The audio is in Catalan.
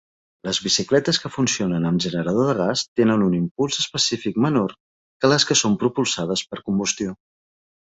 Les bicicletes que funcionen amb generador de gas tenen un impuls específic menor que les que són propulsades per combustió.